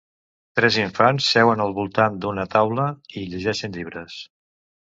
Tres infants seuen al voltant d'una taula i llegeixen llibres.